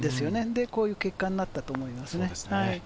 で、こういう結果になったと思います。